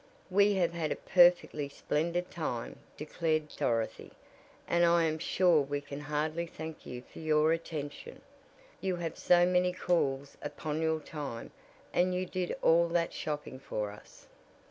"We have had a perfectly splendid time," declared Dorothy, "and I am sure we can hardly thank you for your attention. You have so many calls upon your time and you did all that shopping for us."